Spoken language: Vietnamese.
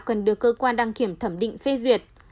cần được cơ quan đăng kiểm thẩm định phê duyệt